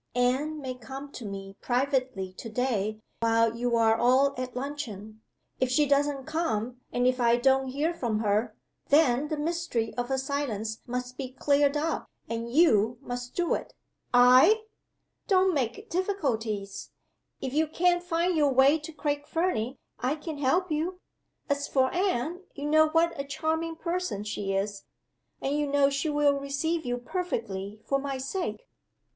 Anne may come to me privately to day while you are all at luncheon. If she doesn't come and if I don't hear from her, then the mystery of her silence must be cleared up; and You must do it!" "I!" "Don't make difficulties! If you can't find your way to Craig Fernie, I can help you. As for Anne, you know what a charming person she is, and you know she will receive you perfectly, for my sake.